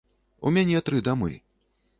У мяне тры дамы.